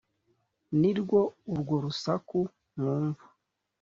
Ni rwo urwo rusaku mwumva.